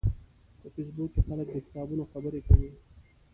په فېسبوک کې خلک د کتابونو خبرې کوي